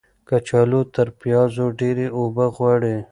کچالو تر پیازو ډیرې اوبه غواړي.